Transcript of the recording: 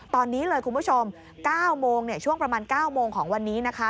ตอนนี้เลยคุณผู้ชม๙โมงช่วงประมาณ๙โมงของวันนี้นะคะ